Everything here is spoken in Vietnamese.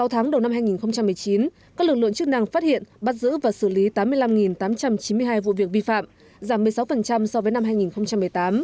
sáu tháng đầu năm hai nghìn một mươi chín các lực lượng chức năng phát hiện bắt giữ và xử lý tám mươi năm tám trăm chín mươi hai vụ việc vi phạm giảm một mươi sáu so với năm hai nghìn một mươi tám